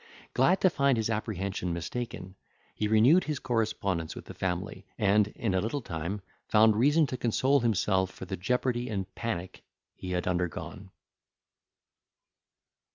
Glad to find his apprehension mistaken, he renewed his correspondence with the family, and, in a little time, found reason to console himself for the jeopardy and panic he had undergone.